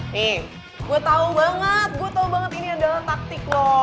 nih gue tahu banget ini adalah taktik lo